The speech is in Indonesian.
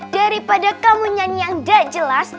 dari pada kamu nyanyi yang gak jelas